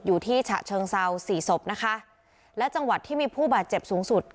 อยู่ที่ฉะเชิงเซาสี่ศพนะคะและจังหวัดที่มีผู้บาดเจ็บสูงสุด